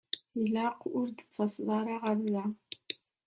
Tilaq ur d-tettaseḍ ara ɣer da.